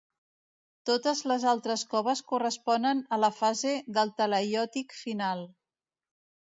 Totes les altres coves corresponen a la fase del talaiòtic final.